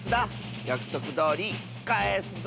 やくそくどおりかえすぞ。